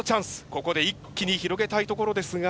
ここで一気に広げたいところですが。